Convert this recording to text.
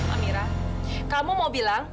amirah kamu mau bilang